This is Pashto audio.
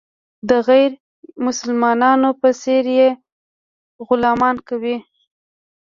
د غیر مسلمانانو په څېر یې غلامان کوي.